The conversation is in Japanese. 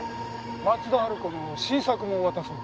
松田春子の新作も渡そうか？